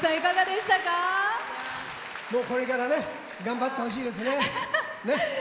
もう、これから頑張ってほしいですね。